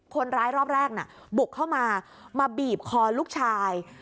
คนร้ายรอบแรกน่ะบุกเข้ามามาบีบคอลูกชาย